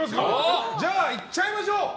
じゃあ、いっちゃいましょう！